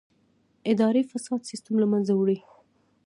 اداري فساد سیستم له منځه وړي.